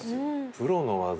プロの技